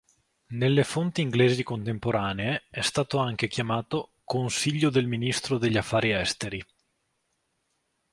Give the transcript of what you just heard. Nelle fonti inglesi contemporanee, è stato anche chiamato "Consiglio del ministro degli affari esteri".